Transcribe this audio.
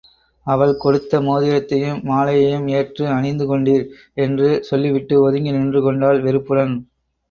அவள் கொடுத்த மோதிரத்தையும் மாலையையும் ஏற்று அணிந்து கொண்டீர்! என்று சொல்லிவிட்டு ஒதுங்கி நின்றுகொண்டாள், வெறுப்புடன்.